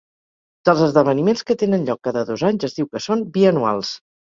Dels esdeveniments que tenen lloc cada dos anys es diu que són bianuals.